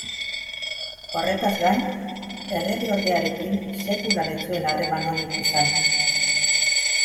Horretaz gain, erregeordearekin sekula ez zuen harreman onik izan.